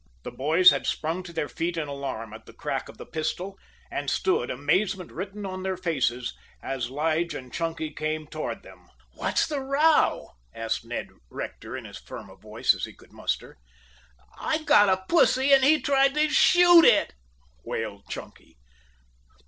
The boys had sprung to their feet in alarm at the crack of the pistol, and stood, amazement written on their faces, as Lige and Chunky came toward them. "What's the row?" asked Ned Rector in as firm a voice as he could muster. "I got a pussy and he tried to shoot it," wailed Chunky.